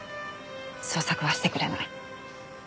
捜索はしてくれない。